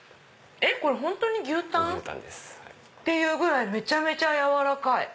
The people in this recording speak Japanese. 本当に牛タン？っていうぐらいめちゃめちゃ軟らかい。